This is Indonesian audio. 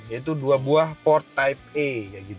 yaitu dua buah port timpe a